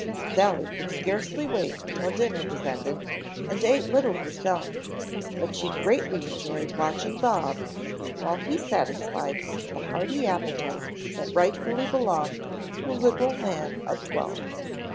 Sally could scarcely wait until dinner was ended and ate little herself, but she greatly enjoyed watching Bob while he satisfied the hearty appetite that rightfully belonged to a little man of twelve.